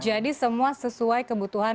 jadi semua sesuai kebutuhan